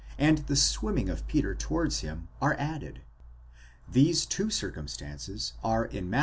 and the swimming of Peter towards him, are added; these two circumstances are in Matt.